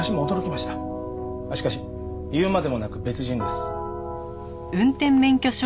しかし言うまでもなく別人です。